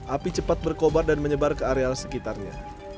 api cepat berkobar dan menyebar ke areal sekitarnya